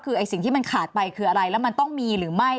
คือไอ้สิ่งที่มันขาดไปคืออะไรแล้วมันต้องมีหรือไม่